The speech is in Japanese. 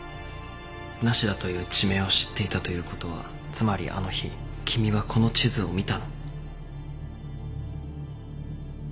無田という地名を知っていたということはつまりあの日君はこの地図を見たの？